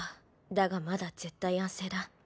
だがまだ絶対安静だ。